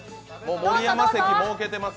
盛山席、設けてます。